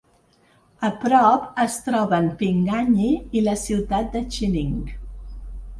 A prop es troben Pinganyi i la ciutat de Xining.